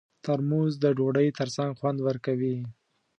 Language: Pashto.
ترموز د ډوډۍ ترڅنګ خوند ورکوي.